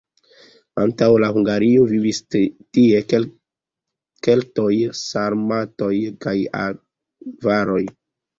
Antaŭ la hungaroj vivis tie keltoj, sarmatoj kaj avaroj.